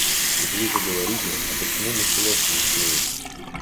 Ведь вы же говорите, а почему мышеловка не смеет?